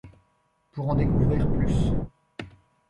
Pour en découvrir plus.